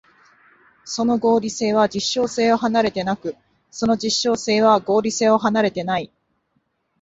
その合理性は実証性を離れてなく、その実証性は合理性を離れてない。